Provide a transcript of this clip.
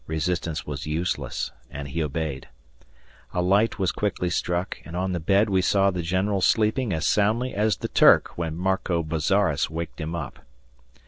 Resistance was useless, and he obeyed. A light was quickly struck, and on the bed we saw the general sleeping as soundly as the Turk when Marco Bozzaris waked him up.